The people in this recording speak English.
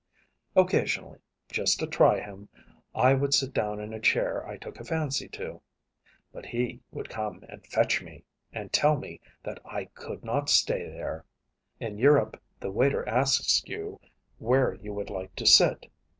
Occasionally, just to try him, I would sit down in a chair I took a fancy to. But he would come and fetch me, and tell me that I could not stay there. In Europe, the waiter asks you where you would like to sit.